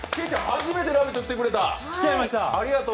初めて「ラヴィット！」来てくれた。